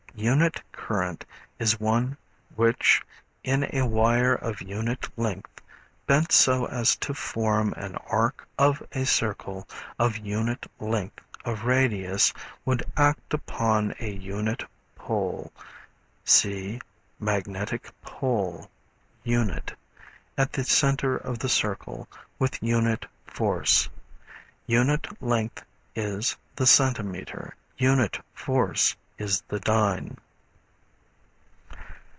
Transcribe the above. Unit current is one which in a wire of unit length, bent so as to form an arc of a circle of unit length of radius, would act upon a unit pole (see Magnetic Pole, Unit,) at the center of the circle with unit force. Unit length is the centimeter; unit force is the dyne.